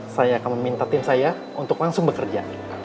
saya akan meminta tim saya untuk langsung bekerja